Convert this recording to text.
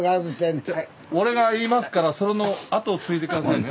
俺が言いますからそれのあとをついで下さいね。